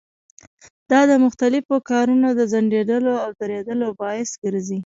دا د مختلفو کارونو د ځنډېدلو او درېدلو باعث ګرځي.